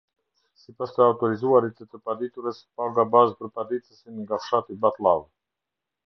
Sipas të autorizuarit të të paditurës, paga bazë për paditësin nga fshati Batllavë.